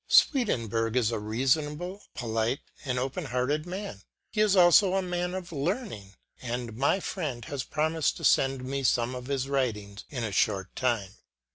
Swedenborg is a reasonable, polite, and open hearted man ; he is also a man of learning ; and my friend has promised to send me some of his writings in a short time.